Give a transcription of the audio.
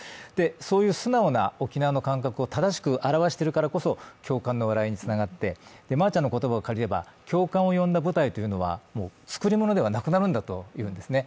そういう素直な沖縄の感覚を正しく表してるからこそ共感の笑いにつながって、まーちゃんの言葉を借りれば共感を呼んだ舞台というのは作り物ではなくなるんだというんですね。